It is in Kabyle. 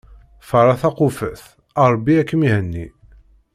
Ffeɣ a taqufet, Ṛebbi ad kem-ihenni.